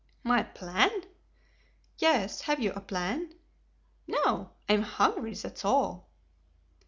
"My plan!" "Yes, have you a plan?" "No! I am hungry, that is all."